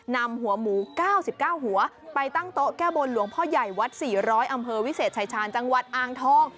นำหัวหมู๙๙หัวไปตั้งโต๊ะแก้บนหลวงพ่อใหญ่วัด๔๐๐อำเภอวิเศษชายชาญจังหวัดอ่างทอง